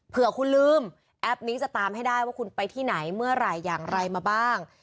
เพื่อคุณลืมแอปนี้จะตามให้ได้ว่าคุณไปที่ไหนเมื่อไหร่อย่างไรมาบ้าง